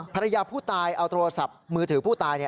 ภรรยาผู้ตายเอาโทรศัพท์มือถือผู้ตาย